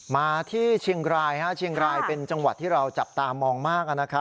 มาที่เชียงรายเป็นจังหวัดที่เราจับตามองมากอะนะคะ